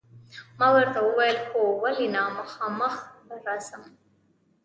ما ورته وویل: هو، ولې نه، خامخا به راځم.